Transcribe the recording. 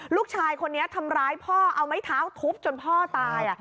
ลูกชายคนนี้ทำร้ายพ่อเอาไม้เท้าทุบจนพ่อตาย